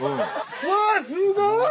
うわすごい。